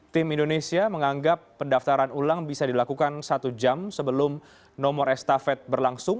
tim indonesia menganggap pendaftaran ulang bisa dilakukan satu jam sebelum nomor estafet berlangsung